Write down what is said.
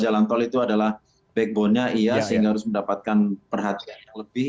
jalan tol itu adalah backbone nya iya sehingga harus mendapatkan perhatian yang lebih